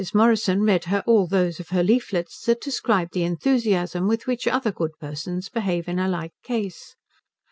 Morrison read her all those of her leaflets that described the enthusiasm with which other good persons behave in a like case.